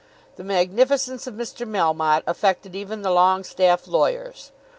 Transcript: The magnificence of Mr. Melmotte affected even the Longestaffe lawyers.